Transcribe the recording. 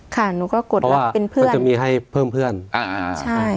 หนูก็กดรับเป็นเพื่อนก็จะมีให้เพิ่มเพื่อนอ่าอ่าใช่